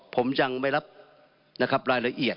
ผมยังไม่รับรายละเอียด